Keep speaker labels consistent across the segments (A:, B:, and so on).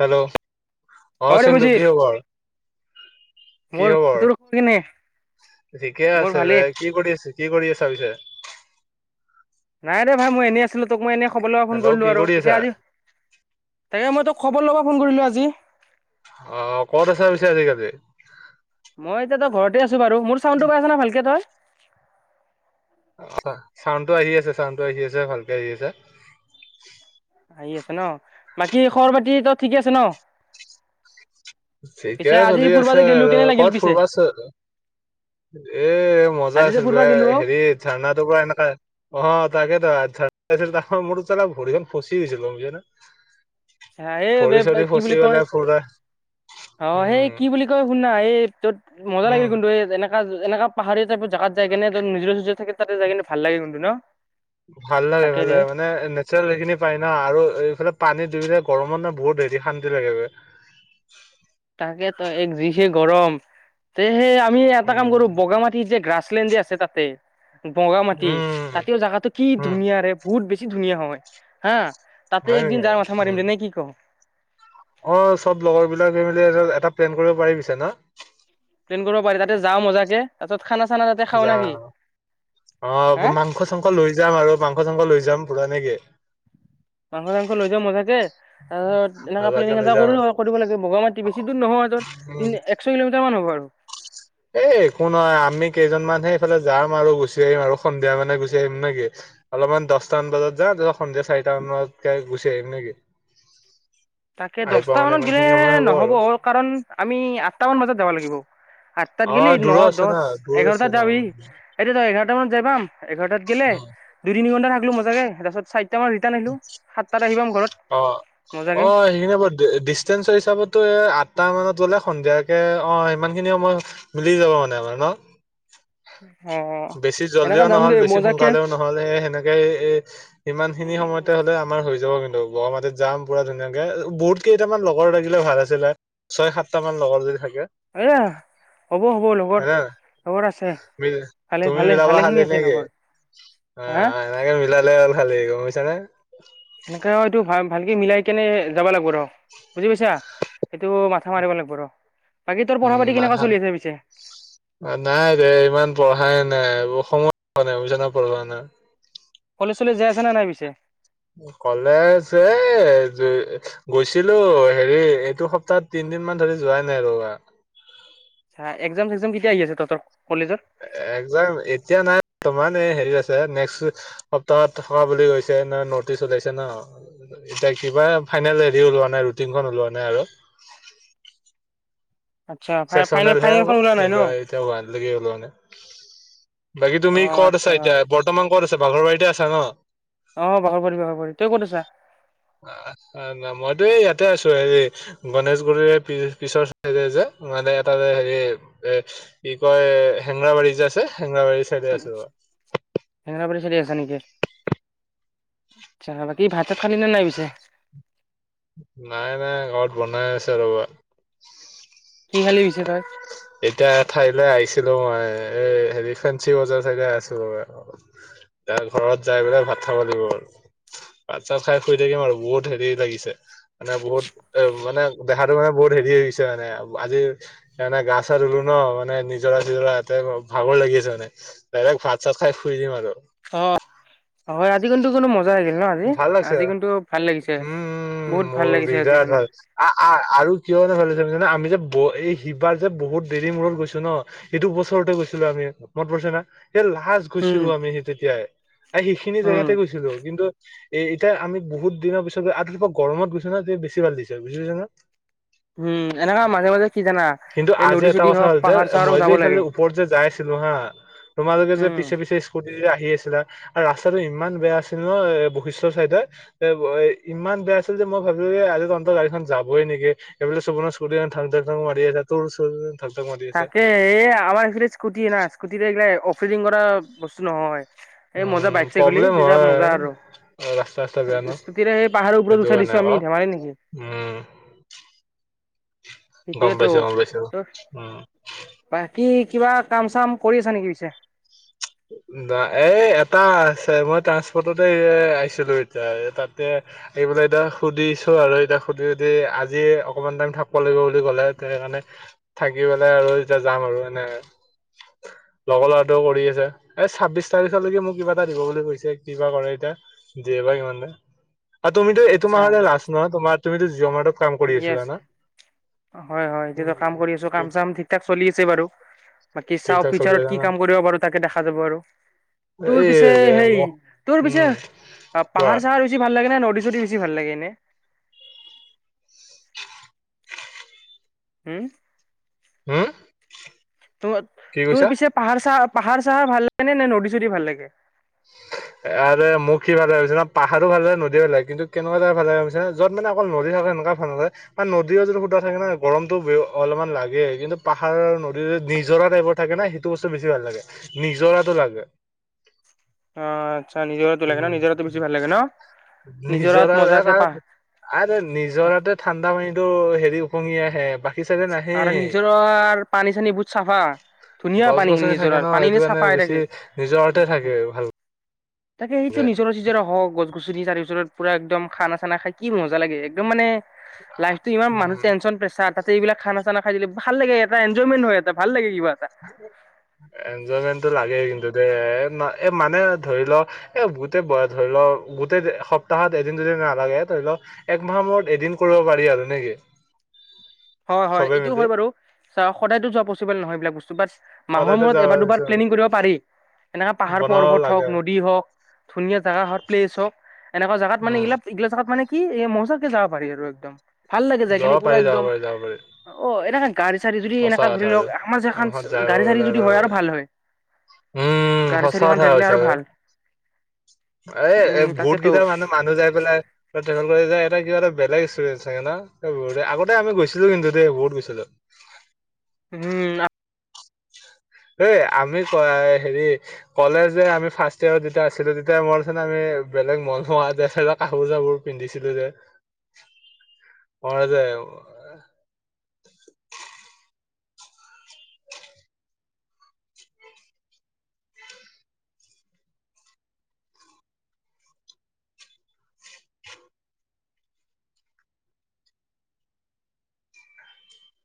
A: Hello, অ সিন্ধু কি খবৰ? কি
B: মোৰ
A: খবৰ?
B: তোৰ কেনে
A: ঠিকে
B: মোৰ
A: আছে দে,
B: ভালেই
A: কি কৰি আছে? কি কৰি আছা পিছে?
B: নাই দে ভাই মই এনেই আছিলো, তোক মই এনেই খবৰ লব ফোন
A: হেল্ল'
B: কৰিলো
A: কি
B: আৰু
A: কৰি
B: পিছে
A: আছা
B: আজি, তাকে মই তোক খবৰ ল'ব ফোন কৰিলো আজি।
A: অহ, কত আছা পিছে আজি কালি?
B: মই এতিয়া তই ঘৰতে বাৰু, মোৰ চাউনডটো পাইছ নে ভালকে তই? [inaudible]
A: চাউনটো আহি আছে চাউনটো আহি আছে, ভালকে আহি আছে,
B: আহি আছে ন, বাকী খবৰ পাতি চব ঠিকে আছে ন?
A: ঠিকে
B: পিছে আজি
A: চলি
B: ফুৰবা
A: আছে
B: যে গেলো
A: আৰু,
B: কেনে লাগিল
A: কত
B: পিছে
A: ফুৰিবা, এ মজা
B: আজি যে
A: আছিল
B: ফুৰবা
A: বে,
B: গেলো অ
A: হেৰি ঝাৰণাটোৰ পৰা এনেকা অ, তাকেই তো সেইদিনাখন, মোৰ ছাগে ভৰিখন ফচি গৈছিল গম পাইছা নে?
B: এই, কি বুলি কয়।
A: পুৰা
B: অ, সেই
A: উম
B: কি বুলি কয় শুনা এই তত। মজা
A: উম
B: লাগে কিন্তু এ যেনেকে। যেনেকা পাহাৰীয়া জেগাত যায় কেনে নিজৰ চজ থাক তাতে যায় কিনে ভাল লাগে কিন্তু ন।
A: ভাল লাগে,
B: তাকে
A: ভাল
B: ৰে
A: লাগে এইফালে মানে নেচাৰেল সেইখিনি পায় ন আৰু এইফালে পানীত। গৰমত নে বহুত হেৰি শান্তি লাগে।
B: তাকেতো এক যিহে গৰম তেহে। আমি এটা কাম
A: উম,
B: কৰো বগ মাটিৰ যে গ্ৰা। [unintelligible] বগ মাটি,
A: উম,
B: তাতেও জোগাতটো কি
A: উম,
B: ধুনীয়াৰে বহুত বেছি। বেছি ধুনীয়া হয় হা। তাতে
A: হয় নেকি?
B: একদিন যায় মাথা
A: উম।
B: মাৰিম দে নাই কি ক?
A: অ, চব লগৰ বিলাকে মিলি এটা প্লেন কৰিব পাৰিছে ন।
B: প্লেন কৰিব পাৰি তাতে যা মজাকে তাৰপাছত।
A: জাম অ,
B: হা
A: মাংস চাংস লৈ যাম আৰু মাংস চাংস লৈ যাম। পুৰা নেকি?
B: মাংস চাংস লৈ যাওঁ মজাকে, তাৰপিছত এনেকা
A: মজাকে
B: প্লেনিং
A: লৈ
B: এটা
A: যাম।
B: কৰো কৰিব লাগে বগা মাটি বেছি দূৰ নহয় একশ কিলোমিটাৰ মান হ'ব আৰু। উম।
A: এ, একো নহৈ আমি কেইজনমান। সেইফালে যাম আৰু গুচি আহিম আৰু সন্ধিয়া মানে গুচি আহিম নেকি, অলপমান দশটামান বজাত যাম। সন্ধিয়া চাৰিটামানতকৈ। গুচি আহিম নেকি?
B: তাকে
A: আহি পোৱা
B: দহটা
A: মানে
B: মানত
A: ইমান
B: গলে
A: খিনি সময় হ'ব
B: নহ'ব
A: আৰু।
B: কাৰণ আমি আঠটা মান বজাত যাব লাগিব। আঠ তাত গেলে
A: অ',
B: ন
A: দূৰো আছে
B: দহ
A: দূৰ
B: এঘাৰ
A: আছে
B: তাত
A: ন?
B: যাব
A: উম,
B: এতি ত এঘাৰ। কামানত যাম [unintelligible] এঘাৰটাত গেলে
A: উম।
B: দুই তিনি ঘণ্টা থাক। মজা কে তাৰপাছত। ৰিটাৰ্ণ আহিলোঁ সাতটাত আহিযাম ঘৰত মজাকৈ।
A: ডিচেঞ্চৰ হিচাপতো এই, আঠটা মানত গ'লে সন্ধিয়াকে অ সমানখিনি সময় মিলি যাব মানে আমাৰ ন।
B: অ
A: বেছি
B: এনেকা
A: জলদিয়ও
B: যাম
A: নহল,
B: দেই
A: বেছি
B: মজাকে
A: সোনকালেও নহল স সেনেকে এ ইমান খিনি সময়তে হলে আমাৰ হৈ য। যাব কিন্তু গুৱাহাটীত যাম পুৰা ধুনীয়াকে বহুত কেইটামান লগৰ লাগিলে ভাল আছিলে ছয় সাতটা মান লগৰ যদি থাক।
B: এয়া হ'ব হ'ব
A: হয়
B: লগৰ
A: নে
B: লগৰ আছে।
A: মিল
B: ভালে
A: তুমি
B: ভালে
A: মিলাবা
B: ভালে খিনি
A: খালী
B: আছে
A: নেকি
B: লগৰ
A: অ
B: হা
A: এনেকে মিলালে হ'ল খালি। গৈছেনে।
B: সেনেকা এইটো ভাল ভালকে মিলাই কেনি, যাব লাগিব ৰ বুজি পাইছা এইটো মাথা মাৰিব লাগিব ৰ। বাকী তোৰ পঢ়া
A: ওম
B: পাতি কেনেকুৱা
A: মাথা
B: চলি আছে পিছে
A: নাই দে ইমান পঢ়াই নাই। সময় নাই সেইকাৰণে পঢ়া নাই।
B: কলেজ চলেজ যাই আছা নে নাই পিছে।
A: কলেজ এ গৈছিলোঁ হেৰি এইটো সপ্তাহত তিনদিন মান ধৰি যোৱাই নাই ৰবা।
B: অ এক্সাম চেক্সাম কেতিয়া আহি আছে তহঁতৰ। কলেজৰ?
A: একজাম এতিয়া নাই ত মানে। হেৰী আছে নেক্সট্ সপ্তাহত হোৱা বুলি কৈছে। নটিচ ওলাইছে ন এতিয়া কিবা ফাইনেল হেৰি ওলোৱা নাই ৰুটিনখন ওলোৱা নাই আৰু।
B: আচ্ছা ফাইনেল
A: চেচনেল হে হ'ব
B: ফাইনেলখন ওলোৱা নাই ন?
A: কিন্তু এতিয়া লৈকে ওলোৱা নাই। বাকী তুমি
B: অ'
A: ক'ত আছা
B: আচ্ছা
A: এতিয়া বৰ্তমান। ক'ত আছা বাঘৰ বাৰীতে আছা ন।
B: অ' বাঘৰবাৰী বাঘৰবাৰী তই ক'ত আছা?
A: মইতো এইয়াত। এই আছোঁ হেৰি গনেশগুৰিৰে পিছৰ চাইডে যে। মানে এটা যে হেৰি এ কি কয় হেংৰা বাৰী যে আছে। হেংৰাবাৰী চাইডে আছোঁ আৰু।
B: হেঙেৰাবাৰী চাইডে নেকি হেংৰাবাৰীত বাকি ভাত চাত খালি নে নাই পিছে।
A: নাই নাই ঘৰত বনাই আছে ৰবা।
B: কি খালি পিছে তই।
A: এতিয়া এঠাইলে আহিছিলোঁ মই এ হেৰি ফেঞ্চি বজাৰ চাইডে আছিলোঁ। এয়া ঘৰত যাই পেলায় ভাত খাব লাগিব আৰু ভাত চাত খাই শুই থাকিম। আৰু বহুত হেৰি লাগিছে মানে বহুত এ মানে দেহাতটো মানে বহুত হেৰি আহিছে মানে আজি মানে গা। তাত লোনৰ মানে নিজৰা চিজৰাতে ভাগৰ লাগি আছে মানে ডাইৰেক্ট ভাত চাত খাই শুই দিম আৰু।
B: অ হয় আজি কিন্ত মজা। জয় দিন ন আজি ন
A: ভাল লাগছে
B: আজি কিন্তু ভাল লাগিছে বহুত
A: উম
B: ভাল
A: মোৰ
B: লাগিছে আজি
A: বিৰাট
B: মানে।
A: ভাল আ আৰু কিমান ভাল লাগিছে। তাৰপিছত আমি যে এই সিবাৰ যে বহুত দেৰি মূৰত গৈছোঁ ন এইটো বছৰতে গৈছিলোঁ আমি মনত পৰিছে নে। হে লাষ্ট
B: উম,
A: গৈছিলোঁ আমি সেই তেতিয়া। সেইখিনি
B: উম,
A: জেগাতে গৈছিলোঁ কিন্তু। এতিয়া আমি বহুত দিনৰ পিছত আৰু তাৰপৰা গৰমত গৈছোঁ ন বেছি ভাল দিছে বুজি পাইছা নে।
B: উম, এনেকা মাজে মাজে কি জানা
A: কিন্তু
B: এই
A: আজি
B: নদী
A: এটা
B: চদী
A: কথা
B: হওক
A: হ'ল যে
B: পাহাৰ চাহাৰক
A: মই যে
B: যাব
A: ইফালে
B: লাগে।
A: ওপৰত যে যাই আছিলোঁ হা তোমালোকে যে
B: উম।
A: পিছে পিছে স্কুটি যদি। সি আছিলে আৰু ৰাস্তাটো ইমান বেয়া আছিল ন এ। বশিষ্ট চাইডত এ ইমান বেয়া আছিল যে, মই ভাবিলোঁ আজি তহঁতৰ গাড়ীখন যাবই নেকি, এইফালে চব স্কুটি ঠাং ঠাং মাৰি আছে তোৰ। ধাক ধাক মাৰি আছে
B: তাকে এইয়া আমাৰ ফালে স্কুটি না স্কুটিৰে এইগিলা। ফিডিং কৰা বস্তু নহয়। এই মজা
A: উম
B: বাইক চাই হ'লে।
A: প্ৰব্লেম
B: তেতিয়া
A: হয়
B: মজা আৰু
A: ৰাস্তা চাস্তা বেয়া ন
B: স্কুটিৰে, সেই পাহাৰৰ ওপৰত
A: সেইটো
B: উঠাই
A: কাৰণে
B: দিছোঁ
A: আকৌ
B: আমি ধেমালি নেকি?
A: উম গম পাইছোঁ গম পাইছোঁ ওম।
B: পাই। কি কিবা কাম চাম কৰি আছা নেকি পিছে,
A: ন এই এটা আছে মই ট্ৰাসপৰ্টতে আহিছিলো এতিয়া তাতে আহি পেলাই এতিয়া সুধিছো আৰু এতিয়া সুধি আজি অকমান টাইম থাকিব লাগিব বুলি কলে সেইকাৰণে থাকি পেলাই আৰু এতিয়া যাম আৰু এনে লগৰ লৰাটো কৰি আছে। এই ছাব্বিশ তাৰিখলৈকে মোক কিবা এটা দিব বুলি কৈছে, কিবা কৰে এতিয়া দিয়ে বা ইমান দে আৰু তুমিতো
B: আচ্ছা
A: এইটোমাৰাহলে লাছ ন তোমাৰ। তুমি যে জমেটো।
B: হয় হয়
A: উম
B: এতিয়াতো কাম কৰি আছো কাম চাম ঠিক ঠাক চলি আছে বাৰু বাকি
A: ঠিক
B: চাওঁ
A: ঠাক চলি
B: ফিউচাৰত
A: আছে
B: কি
A: না
B: কাম কৰিব পাৰো তাকে দেখা। আৰু তোৰ
A: এই
B: পিছে
A: ৰে,
B: সেই
A: মোক
B: তোৰ পিছে
A: উম কোৱা
B: পাহাৰ চাহাৰ বেছি ভাল লাগে ন নদী সদি। যদি বেছি ভাল লাগে নে? হম।
A: হম।
B: ত
A: কি
B: তোৰ
A: কৈছা
B: পিছে পাহাৰচ চাহাৰ- পাহাৰ চাহাৰ ভাল লাগে নে নে? নদী চদী ভাল লাগে?
A: আৰু মোক সি ভালে ভাবিছিলিা পাহাৰো ভাল লাগে নদীলাগ কিন্তু কেনেুৱা জাগ ভালে ভাবিা যত মানে অকল নদী থাকে সেনেকুৱা ভাল নালাগে বা নদীও যদি সুধা থাকে ন গৰমতটো অলপমান লাগে কিন্তু পাহাৰ নদী, নিজৰা টাইপৰ থাকে না সেইটো, সেইটো ব্স্ত বেছি ভাল লাগে নিজৰাটো লাগে,
B: অঁ।
A: উম! নিজৰ
B: নিজৰাত মজাকে পাহ
A: নিজৰাতে ঠাণ্ডা পানী, টো হেৰি উপঙী আহে বা,
B: আৰু নিজৰৰ পানী চানী বহুত চাফা ধুনীয়া
A: গছ
B: পানীখিনি
A: গছনি
B: নিজৰ
A: থাকে ন সেইটো
B: পানীখিনি
A: কাৰণে
B: চাফা হৈ
A: বেছি
B: থাকে।
A: নিজৰতে থাকে ভাল
B: তাকে সেইটো নিজৰ চিজৰ হওক গছ। গুচুৰি তাৰে ভিতৰত পুৰা একদম খানা চানা খাই কি মজা লাগে একদম মানে- লাইফটো ইমান মানুহ
A: উম
B: টেনচন -প্ৰেচাৰ- এইবিলাক খানা চানা খাই দিলে ভাল লাগে এটা ইঞ্জয়মেন্ত হয় এটা ভাল লাগে। কিবা এটা।
A: এনজয়মেন্টটো লাগেই কিন্তু দে, এ', ন', এ', মানে ধৰি লওঁ এ', গোটেই ধৰি লওঁ গোটেই সপ্তাহত এদিন যদি নালাগে ধৰি লওঁ একমাহৰ মূৰত এদিন কৰিব পাৰি আৰু নেকি?
B: হয় -হয়
A: চবে
B: এইটো
A: মিলি
B: হয়', বাৰু চা', সদায়তো যোৱা পচিবল নহয় এইবিলাক বস্তু চুপ মাহৰ
A: সদায়তো
B: মূৰত
A: যাব
B: এবাৰ দুবাৰ প্লেনিং কৰিব পাৰি, এনেকা পাহাৰ
A: বনাব
B: পৰ্বত হওঁক,
A: লাগে
B: নদী হওক, ধুনীয়া জোগা হক, প্লেচ হওঁক, এনেকুৱা জেগাত মানে
A: উম
B: এইলাক -এইগিলা জাগাত মানে কি', এই মজা কে ', যাব পাৰি আৰু একদম, ভাল লাগে
A: যাব
B: যায়কিনি পুৰা
A: পাৰি যাব
B: একদম,
A: পাৰি যাব পাৰি
B: অ', এনেখন।
A: সঁচা কথা আৰু যায়
B: গাড়ী চাড়ী যদি হয় আৰু ভাল হয়
A: উম,
B: গাড়ী
A: সচা
B: চাড়ীখন
A: কথা
B: থাকিলে
A: হৈছে আৰু
B: ভাল উম
A: এ বহুত
B: তাকেতো
A: কেইটা মানুহ মানুহ যাই পেলাই ট্ৰেভেল কৰি য এটা কিবা এটা। বেলেগ ষ্টুডেণ্ট চাগে নু আগতে আমি গৈছিলো কিন্তু দেই বহুত গৈছিলো।
B: উম।
A: অই আমি ক হেৰি কলেজ যে আমি ফাৰ্ষ্ট ইয়াৰত যেতিয়া আছিলো তেতিয়া মনত আছে নাই আমি বেলেগ মনমোৱা যে কাপোৰ চাপোৰ পিন্ধিছিলো যে, মই যে,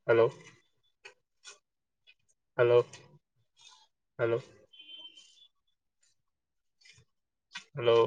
A: হেল্ল' হেল্ল' হেল্ল' হেল্ল'